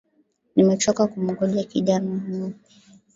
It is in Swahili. Nimechoka kumgoja kijana huyo